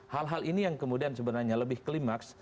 hal hal ini yang kemudian sebenarnya lebih klimaks